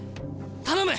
頼む！